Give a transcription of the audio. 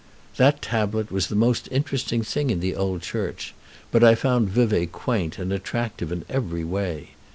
That tablet was the most interesting thing in the old church; but I found Vevay quaint and attractive in every way.